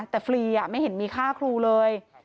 แต่ฟรีไม่เห็นมีค่าครูเลย